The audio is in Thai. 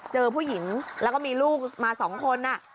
เจอผู้หญิงแล้วก็มีลูกมา๒คน